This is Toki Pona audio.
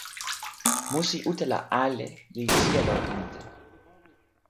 musi utala ale li sijelo ante.